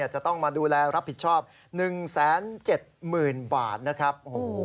จะต้องมาดูแลรับผิดชอบ๑๗๐๐๐บาทนะครับ